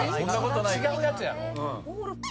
違うやつやろ？